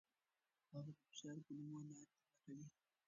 هغه د فشار کمولو لارې لټوي.